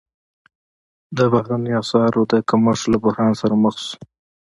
د بهرنیو اسعارو د کمښت له بحران سره مخ شو.